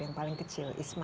yang paling kecil